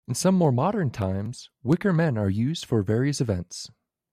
In some more modern times, wicker men are used for various events.